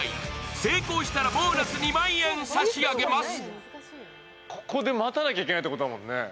成功したらボーナス２万円差し上げます。